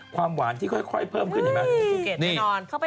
ความหวานที่ค่อยเพิ่มขึ้นเห็นไหม